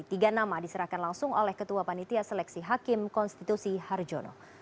tiga nama diserahkan langsung oleh ketua panitia seleksi hakim konstitusi harjono